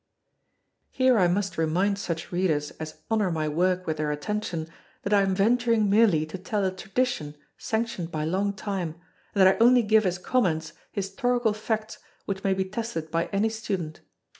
Here I must remind such readers as honour my work with their attention that I am venturing merely to tell a tradition sanctioned by long time, and that I only give as comments historical facts which may be tested by any student.